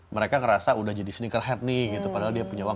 mereka ngerasa udah jadi sneaker head nih gitu padahal dia punya uang